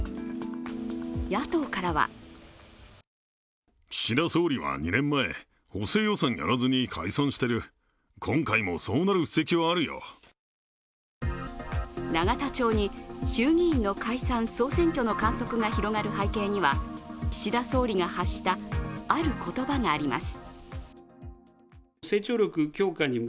野党からは永田町に衆議院の解散総選挙の観測が広がる背景には岸田総理が発したある言葉があります。